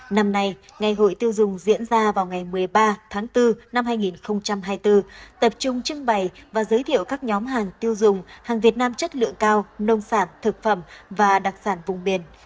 năm nay ngày hội tiêu dùng diễn ra vào ngày một mươi ba tháng bốn năm hai nghìn hai mươi bốn tập trung trưng bày và giới thiệu các nhóm hàng tiêu dùng hàng việt nam chất lượng cao nông sản thực phẩm và đặc sản vùng biển